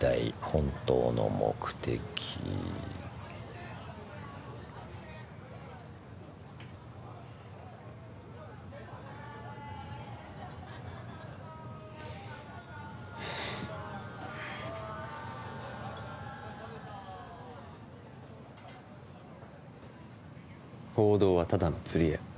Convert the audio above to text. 本当の目的報道はただの釣り餌